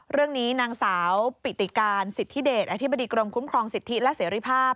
เรื่องนี้นางสาวปิติการสิทธิเดชอธิบดีกรมคุ้มครองสิทธิและเสรีภาพ